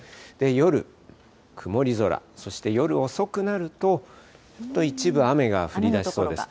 夜、曇り空、そして夜遅くなると、一部雨が降りだしそうです。